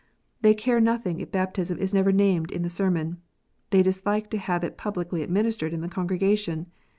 They care nothing if baptism is never named in the sermon. They dislike to have it publicly administered in the congregation.